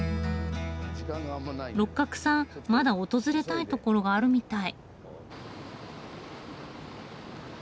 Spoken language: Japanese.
六角さんまだ訪れたい所があるみたい。